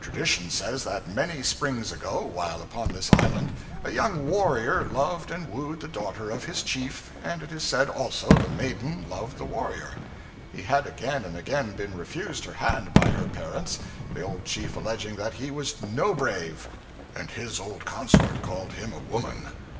Tradition says that many springs ago, while upon this island, a young warrior loved and wooed the daughter of his chief, and it is said, also, the maiden loved the warrior. He had again and again been refused her hand by her parents, the old chief alleging that he was no brave, and his old consort called him a woman!